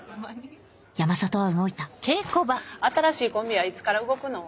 山里は動いた新しいコンビはいつから動くの？